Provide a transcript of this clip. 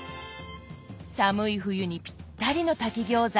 寒い冬にぴったりの炊き餃子。